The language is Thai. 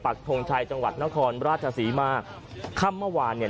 ทงชัยจังหวัดนครราชศรีมาค่ำเมื่อวานเนี่ย